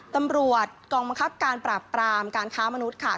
ตำรวจกองบังคับการปราบปรามการค้ามนุษย์ค่ะ